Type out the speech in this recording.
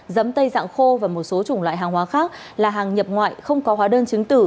dẫm tây dạng khô và một số chủng loại hàng hóa khác là hàng nhập ngoại không có hóa đơn chứng tử